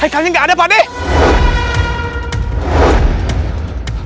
maikalnya gak ada pak deh